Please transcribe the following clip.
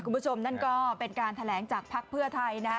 คุณผู้ชมนั่นก็เป็นการแถลงจากภักดิ์เพื่อไทยนะ